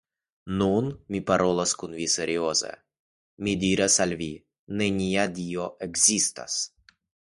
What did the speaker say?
Nun mi parolas kun vi serioze, mi diras al vi: nenia Dio ekzistas!